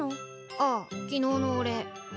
ああ昨日のお礼。